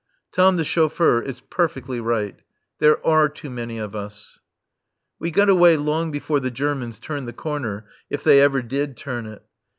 (Tom the chauffeur is perfectly right. There are too many of us.) We got away long before the Germans turned the corner, if they ever did turn it.